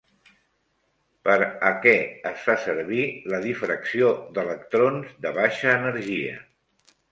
Per a què es fa servir la difracció d'electrons de baixa energia?